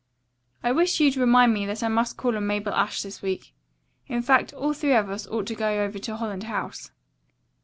I wish you'd remind me that I must call on Mabel Ashe this week. In fact, all three of us ought to go over to Holland House."